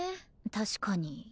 確かに。